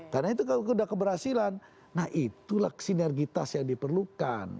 karena itu sudah keberhasilan nah itulah sinergitas yang diperlukan